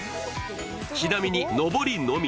ちなみに上りのみ。